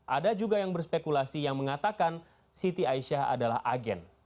ada juga yang berspekulasi yang mengatakan siti aisyah adalah agen